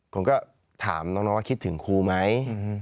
ผมก็ถามน้องว่าคิดถึงครูไหม